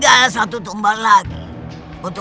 aku tidak ingin memiliki ibu iblis seperti mu